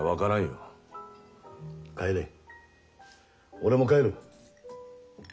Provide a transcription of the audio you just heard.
俺も帰る。